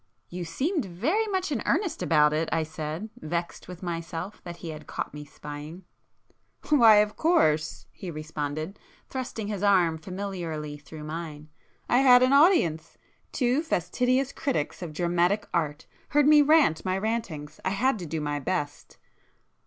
"You seemed very much in earnest about it!" I said, vexed with myself that he had caught me spying. "Why, of course!" he responded, thrusting his arm familiarly through mine—"I had an audience! Two fastidious critics of dramatic art heard me rant my rantings,—I had to do my best!"